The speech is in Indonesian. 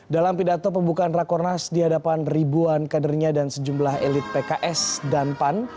dalam pidato pembukaan rakornas di hadapan ribuan kadernya dan sejumlah elit pks dan pan